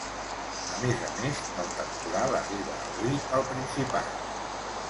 A més a més, el temporal arriba avui al Principat.